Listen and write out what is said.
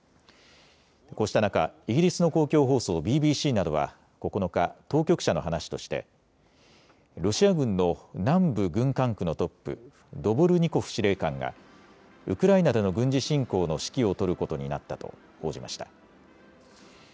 こうした中、イギリスの公共放送ＢＢＣなどは９日、当局者の話としてロシア軍の南部軍管区のトップ、ドボルニコフ司令官がウクライナでの軍事侵攻の指揮を執ることになったと報じました。